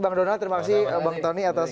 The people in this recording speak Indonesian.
bang donald terima kasih bang tony atas